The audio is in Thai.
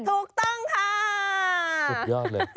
ถูกต้องค่ะ